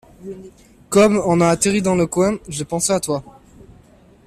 Comme on a atterri dans le coin, j’ai pensé à toi.